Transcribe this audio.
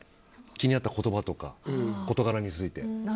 気になったこととか事柄について。